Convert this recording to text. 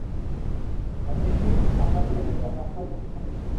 আমি নিশ্চিত আপনার পুরো পরিবার নকশাল প্রশিক্ষণ নিয়েছেন।